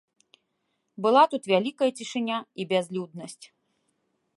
Была тут вялікая цішыня і бязлюднасць.